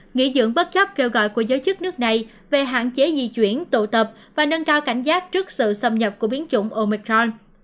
nghỉ dưỡng bất chấp kêu gọi của giới chức nước này về hạn chế di chuyển tụ tập và nâng cao cảnh giác trước sự xâm nhập của biến chủng omicron